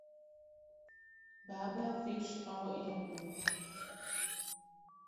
Babel Fish a Yahoo!